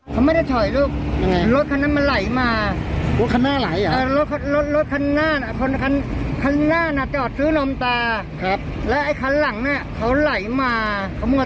คันหน้าไม่ไหลครับแล้วเราเตือนหรือยังไงเขาค่ะตอนนั้น